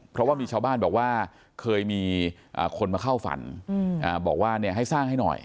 เพราะว่ามีชาวบ้านบอกว่าเคยมีคนมาเข้าฝันบอกว่าให้สร้างให้หน่อย